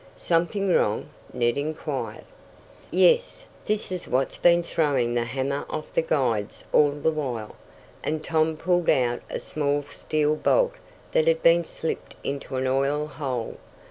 "Something wrong?" Ned inquired. "Yes. This is what's been throwing the hammer off the guides all the while," and Tom pulled out a small steel bolt that had been slipped into an oil hole.